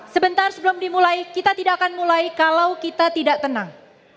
sebentar sebelum dimulai kita tidak akan mulai kalau kita tidak tenang